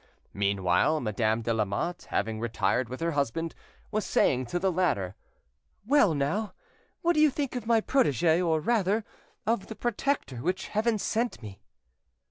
Meanwhile Madame de Lamotte, having retired with her husband, was saying to the latter— "Well, now! what do you think of my protege, or rather, of the protector which Heaven sent me?"